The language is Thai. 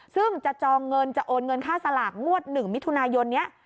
ซึ่งจะจองเงินจะโอนเงินค่าสลากงวด๑มิถุนายนนี้